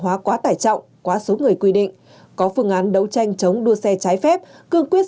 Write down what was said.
hóa quá tải trọng quá số người quy định có phương án đấu tranh chống đua xe trái phép cương quyết